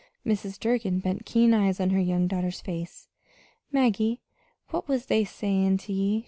Mrs. Durgin bent keen eyes on her young daughter's face. "Maggie, what was they sayin' to ye?"